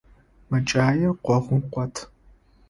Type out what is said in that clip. Мэкӏаир къогъум къот.